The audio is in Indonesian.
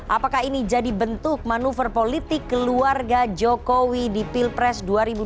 apakah ini jadi bentuk manuver politik keluarga jokowi di pilpres dua ribu dua puluh